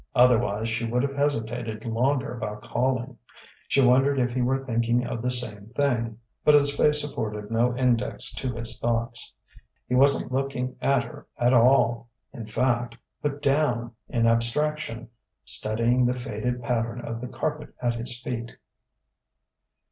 Otherwise, she would have hesitated longer about calling. She wondered if he were thinking of the same thing; but his face afforded no index to his thoughts. He wasn't looking at her at all, in fact, but down, in abstraction, studying the faded pattern of the carpet at his feet.